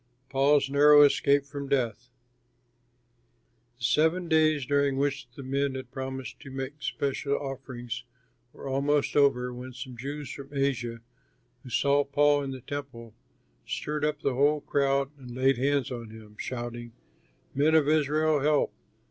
PAUL'S NARROW ESCAPE FROM DEATH The seven days during which the men had promised to make special offerings were almost over when some Jews from Asia, who saw Paul in the Temple, stirred up the whole crowd and laid hands on him, shouting, "Men of Israel, help!